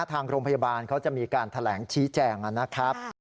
ทางโรงพยาบาลเขาจะมีการแถลงชี้แจงนะครับ